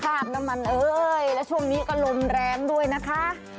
น้ำมันเอ้ยและช่วงนี้ก็ลมแรงด้วยนะคะ